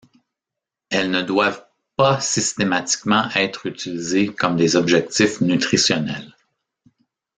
Elles ne doivent pas systématiquement être utilisées comme des objectifs nutritionnels.